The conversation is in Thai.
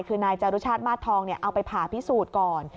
คือนายจารุชาติมาสทองเอาไปผ่าพิสูจน์ก่อน